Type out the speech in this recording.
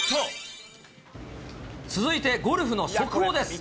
続いてゴルフの速報です。